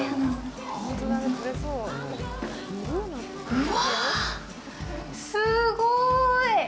うわぁ、すごい！